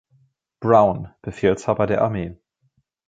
Brown, Befehlshaber der Armee.